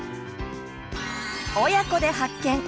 「親子で発見！